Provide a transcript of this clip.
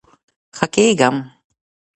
ښه کیږم